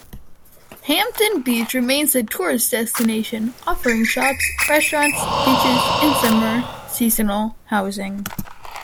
Hampton Beach remains a tourist destination, offering shops, restaurants, beaches, and summer seasonal housing.